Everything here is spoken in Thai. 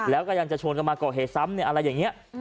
แล้วก็ยังจะชวนกันมาเร่าก็เหตุทรัพย์อะไรอย่างเงี้ย